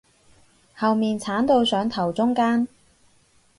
後面剷到上頭中間